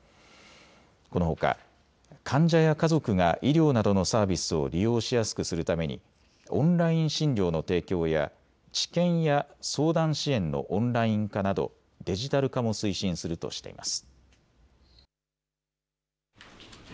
このほか患者や家族が医療などのサービスを利用しやすくするためにオンライン診療の提供や治験や相談支援のオンライン化などデジタル化も推進するとしています。